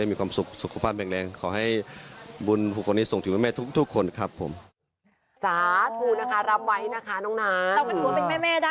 ปรับเป็นหัวเป็นแม่ได้ใช่ไหมเหรอ